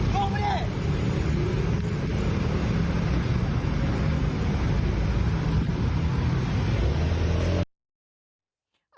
ทุ่มไปเดียว